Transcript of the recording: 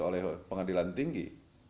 oleh pengadilan tinggi